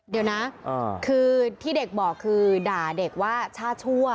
เดี๋ยวนะคือที่เด็กบอกคือด่าเด็กว่าช่าชั่ว